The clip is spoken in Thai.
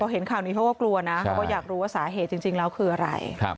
เห็นข่าวนี้เขาก็กลัวนะเขาก็อยากรู้ว่าสาเหตุจริงแล้วคืออะไร